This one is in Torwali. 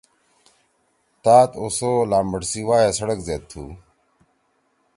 تات اوسو لامبٹ سی وائے سڑک زید تُھو۔